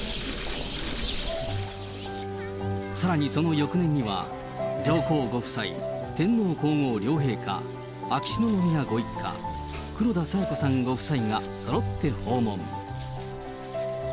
さらにその翌年には、上皇ご夫妻、天皇皇后両陛下、秋篠宮ご一家、黒田清子さんご夫妻がそろって訪問。